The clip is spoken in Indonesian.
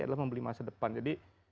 adalah membeli masa depan jadi